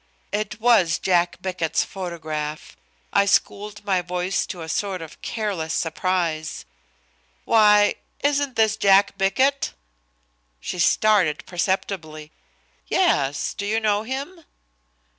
It was Jack Bickett's photograph. I schooled my voice to a sort of careless surprise: "Why! Isn't this Jack Bickett?" She started perceptibly. "Yes. Do you know him?"